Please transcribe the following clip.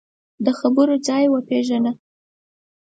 د خبرو ځای وپېژنه